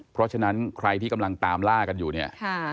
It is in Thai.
เพราะฉะนั้นใครที่กำลังตามล่ากันอยู่เนี่ย